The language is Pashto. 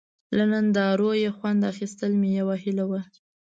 له نندارو یې خوند اخیستل مې یوه هیله وه.